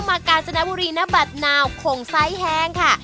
มากาจนบุรีนบัตรนาวคงไซส์แฮงค่ะ